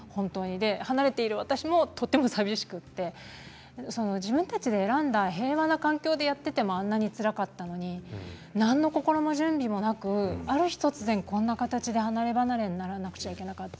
離れている私も、とても寂しくて自分たちが選んだ平和な環境でやっていてもあんなにつらかったのに何の心の準備もなくある日、突然こんな形で離れ離れにならなければいけない。